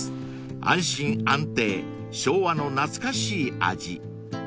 ［安心安定昭和の懐かしい味］